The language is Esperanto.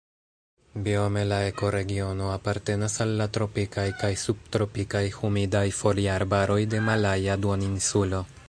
Biome la ekoregiono apartenas al la tropikaj kaj subtropikaj humidaj foliarbaroj de Malaja Duoninsulo.